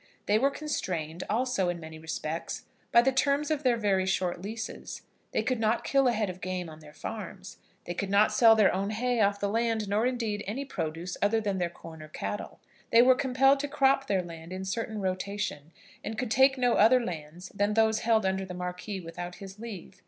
They were constrained, also in many respects, by the terms of their very short leases. They could not kill a head of game on their farms. They could not sell their own hay off the land, nor, indeed, any produce other than their corn or cattle. They were compelled to crop their land in certain rotation; and could take no other lands than those held under the Marquis without his leave.